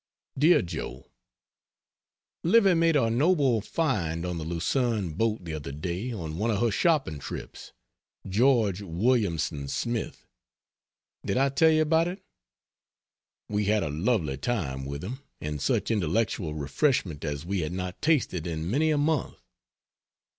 DEAR JOE, Livy made a noble find on the Lucerne boat the other day on one of her shopping trips George Williamson Smith did I tell you about it? We had a lovely time with him, and such intellectual refreshment as we had not tasted in many a month.